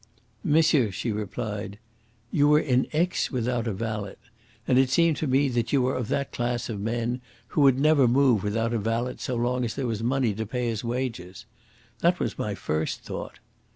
"Monsieur," she replied, "you were in Aix without a valet, and it seemed to me that you were of that class of men who would never move without a valet so long as there was money to pay his wages. That was my first thought.